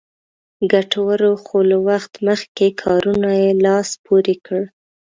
ګټورو خو له وخت مخکې کارونو یې لاس پورې کړ.